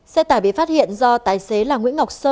xe tải bị phát hiện do tái xế là nguyễn ngọc tuyến